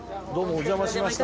お邪魔致しました。